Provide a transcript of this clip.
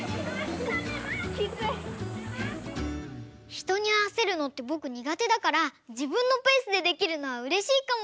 ひとにあわせるのってぼくにがてだからじぶんのペースでできるのはうれしいかも。